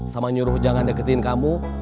sama nyuruh jangan deketin kamu